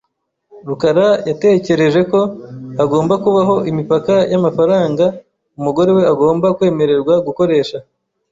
rukara yatekereje ko hagomba kubaho imipaka y’amafaranga umugore we agomba kwemererwa gukoresha .